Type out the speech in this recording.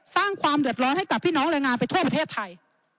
สร้างความเดือดร้อนให้กับพี่น้องแรงงานไปทั่วประเทศไทย